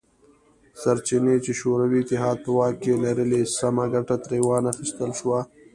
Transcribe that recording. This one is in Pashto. سرچینې چې شوروي اتحاد په واک کې لرلې سمه ګټه ترې وانه خیستل شوه